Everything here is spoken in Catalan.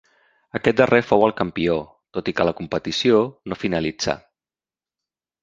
Aquest darrer fou el campió, tot i que la competició no finalitzà.